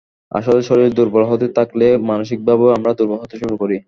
আসলে শরীর দুর্বল হতে থাকলে মানসিকভাবেও আমরা দুর্বল হতে শুরু করি।